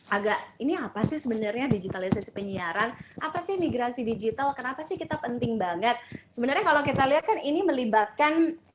agak ini apa sih sebenarnya digitalisasi penyiaran apa sih migrasi digital kenapa sih kita penting banget sebenarnya kalau kita lihat kan ini melibatkan